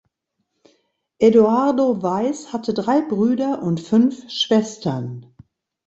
Edoardo Weiss hatte drei Brüder und fünf Schwestern.